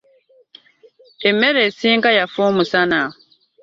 Emmere esinga yafa omusana.